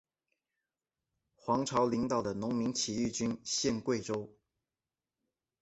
黄巢领导的农民起义军陷桂州。